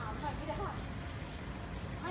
อ้านต้องกินของท้าน